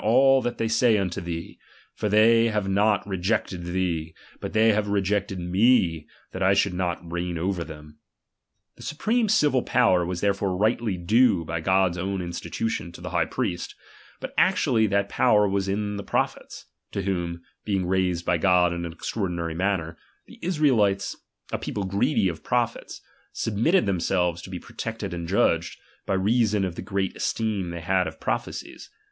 XYl all that they say unto thee ; for they have not re ti,' ^l^'^^, jected (hee, but they have rejected me, that / "Bii«i in iii« should not reign ocer them. The supreme civil kingSaninUiB power was therefore rightly due by God's own in 1 stitution to the high priest; but actually that power was in the prophets, to whom (being raised I by God in an extraordinary manner) the Israelites, I a people greedy of prophets, submitted them J selves to be protected and judged, by reason of I the great esteem they had of prophecies.